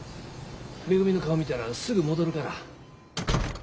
めぐみの顔見たらすぐ戻るから。